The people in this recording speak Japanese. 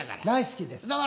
大好きです。